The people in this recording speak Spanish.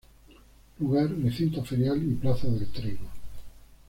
Lugar: Recinto Ferial y Plaza del trigo.